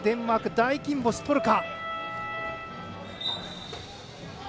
大金星とるか。